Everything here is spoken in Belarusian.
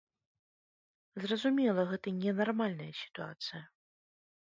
Зразумела, гэта не нармальная сітуацыя.